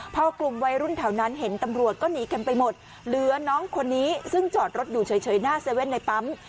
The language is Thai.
พอกลุ่มวัยรุ่นแถวนั้นเห็นตำรวจก็หนีกันไปหมดเหลือน้องคนนี้ซึ่งจอดรถอยู่เฉยหน้าเว่นในปั๊ม